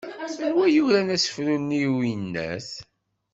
Anwa i yuran asefru-nni n uyennat?